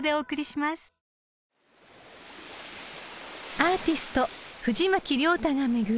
［アーティスト藤巻亮太が巡る